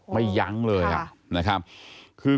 วัยยั้งเลย